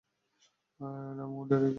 Adam, ও Derek.